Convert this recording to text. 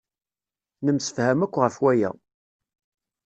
Nemsefham akk ɣef waya.